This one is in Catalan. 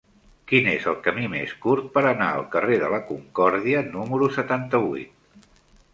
Quin és el camí més curt per anar al carrer de la Concòrdia número setanta-vuit?